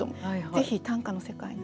ぜひ短歌の世界に。